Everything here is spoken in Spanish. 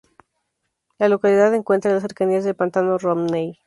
La localidad encuentra en las cercanías del pantano Romney.